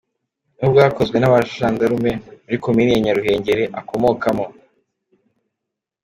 N’ubwakozwe n’abajandarume muri Komini ya Nyaruhengeri akomokamo.